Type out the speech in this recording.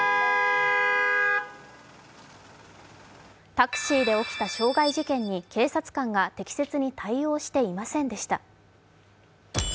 タクシーで起きた傷害事件に警察官が適切に対応していませんでした。